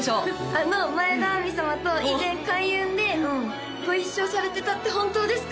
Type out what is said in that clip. あの前田亜美様と以前開運でご一緒されてたって本当ですか？